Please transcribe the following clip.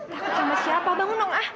takut sama siapa bang unong ah